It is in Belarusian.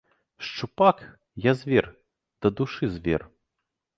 Шчупак, я звер, дадушы звер.